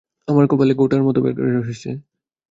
আমার কপালে গোটার মত বের হইসে।